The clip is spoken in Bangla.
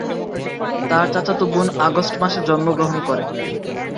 তার চাচাতো বোন আগস্ট মাসে জন্মগ্রহণ করে।